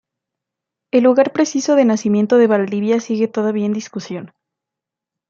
El lugar preciso de nacimiento de Valdivia sigue todavía en discusión.